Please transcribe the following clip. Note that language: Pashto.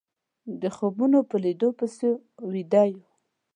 د خوبونو په ليدو پسې ويده يو